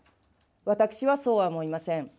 私はそうは思いません。